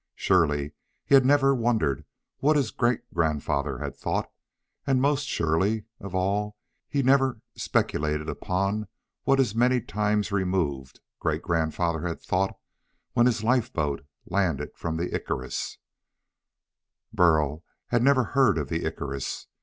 Surely he had never wondered what his great grandfather had thought, and most surely of all he never speculated upon what his many times removed great grandfather had thought when his lifeboat landed from the Icarus. Burl had never heard of the Icarus.